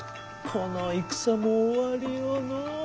この戦も終わりよのう。